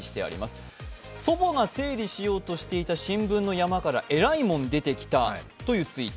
祖母が整理しようとしていた新聞の山から、えらいもん出てきた、というツイート。